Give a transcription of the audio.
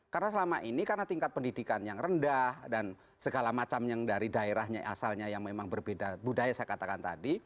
karena selama ini karena tingkat pendidikan yang rendah dan segala macam yang dari daerahnya asalnya yang memang berbeda budaya saya katakan tadi